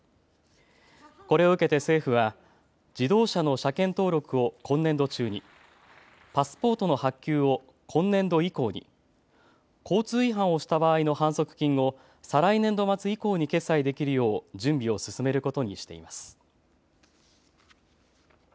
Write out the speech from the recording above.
これを受けて政府は自動車の車検登録を今年度中に、パスポートの発給を今年度以降に、交通違反をした場合の反則金を再来年度末以降に決済できるよう準備を進めることにしています。